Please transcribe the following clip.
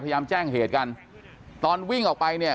พยายามแจ้งเหตุกันตอนวิ่งออกไปเนี่ย